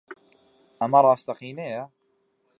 ئەمە ڕاستەقینەیە؟